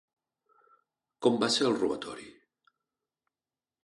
Com va ser el robatori?